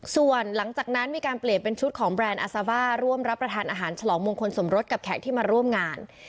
ส่วนหลังจากนั้นมีการเปลี่ยนเป็นชุดของแบรนด์อาซาบ้าร่วมรับประทานอาหารฉลองมงคลสมรสกับแขกที่มาร่วมงาน